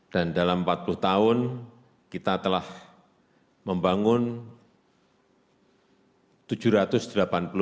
dan dalam empat puluh tahun kita telah membangun jalan tol